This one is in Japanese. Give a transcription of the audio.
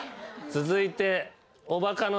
続いて。